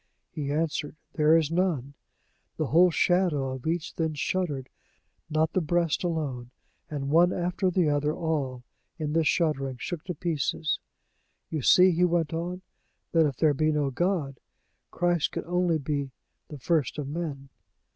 He answered, "There is none!" The whole Shadow of each then shuddered, not the breast alone; and one after the other all, in this shuddering, shook into pieces.' "You see," he went on, "that if there be no God, Christ can only be the first of men."